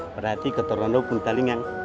berarti keturunan lo pun talingan